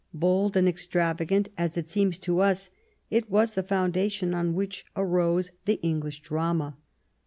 Bold and extravagant as it seems to us, it was the foundation on which arose the English drama.